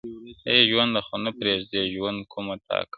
اې ژوند خو نه پرېږدمه، ژوند کومه تا کومه.